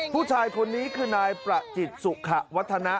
ผู้ชายคนนี้คือนายประจิตสุขะวัฒนะ